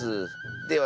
では